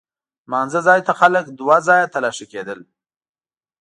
لمانځه ځای ته خلک دوه ځایه تلاښي کېدل.